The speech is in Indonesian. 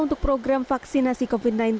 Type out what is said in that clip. untuk program vaksinasi covid sembilan belas